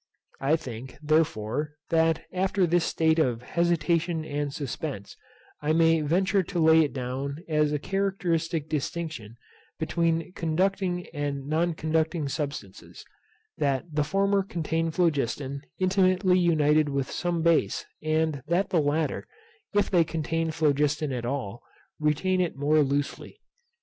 I think, therefore, that after this state of hesitation and suspence, I may venture to lay it down as a characteristic distinction between conducting and non conducting substances, that the former contain phlogiston intimately united with some base, and that the latter, if they contain phlogiston at all, retain it more loosely.